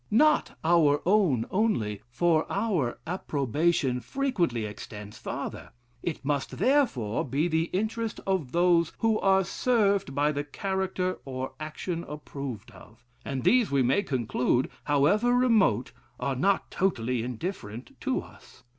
Not our own only; for our approbation frequently extends farther. It must therefore be the interest of those who are served by the character or action approved of; and these, we may conclude, however remote, are not totally indifferent to us.